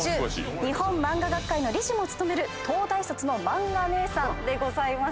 日本マンガ学会の理事も務める東大卒のマンガ姉さんでございます。